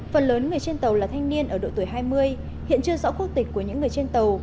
phần lớn người trên tàu là thanh niên ở độ tuổi hai mươi hiện chưa rõ quốc tịch của những người trên tàu